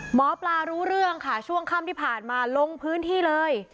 หมอปลารู้เรื่องค่ะช่วงค่ำที่ผ่านมาลงพื้นที่เลย